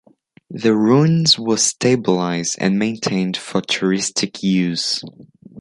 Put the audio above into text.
The ruins were stabilized and maintained for touristic use.